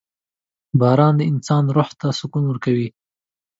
• باران د انسان روح ته سکون ورکوي.